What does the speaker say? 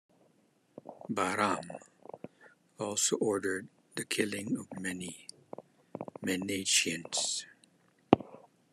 Bahram also ordered the killing of many Manicheans.